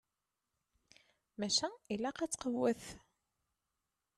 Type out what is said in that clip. Maca ilaq ad tqewwet.